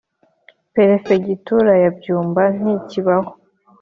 perefegitura ya Byumba ntikibaho